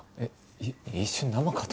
い一瞬生かと。